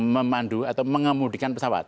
memandu atau mengemudikan pesawat